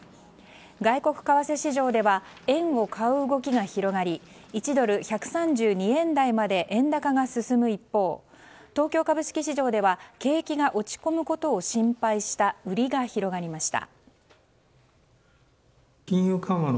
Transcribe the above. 外国為替市場では円を買う動きが広がり１ドル＝１３２円台まで円高が進む一方東京株式市場では景気が落ち込むことを心配した売りが広がりました。